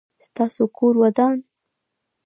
ستاسو کور ودان؟